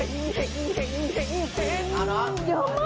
เยอะมาก